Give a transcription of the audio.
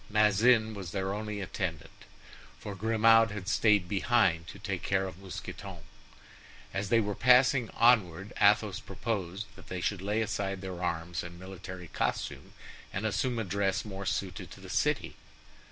Bazin was their only attendant, for Grimaud had stayed behind to take care of Mousqueton. As they were passing onward, Athos proposed that they should lay aside their arms and military costume, and assume a dress more suited to the city.